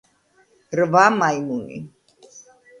რვა მაიმუნი.